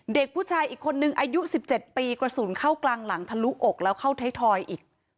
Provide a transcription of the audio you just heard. เด็กผู้ชายอีกคนนึงอายุ๑๗ปีกระสุนเข้ากลางหลังทะลุอกแล้วเข้าไทยทอยอีก